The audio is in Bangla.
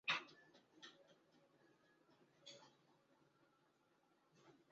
কিন্তু তাঁদের কারও হাতেই আর কোনো ম্যাচ নেই শুধু কেন ছাড়া।